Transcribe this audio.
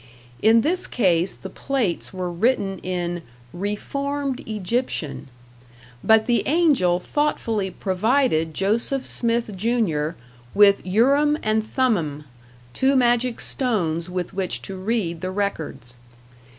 In this case the plates were written in "reformed Egyptian"; but the Angel thoughtfully provided Joseph Smith, Jr., with Urim and Thummim, two magic stones with which to read the records.